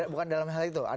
bukan dalam hal itu